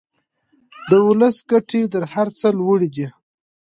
د ولس ګټې تر هر څه لوړې دي.